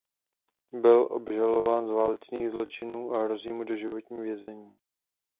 Byl obžalován z válečných zločinů a hrozí mu doživotní vězení.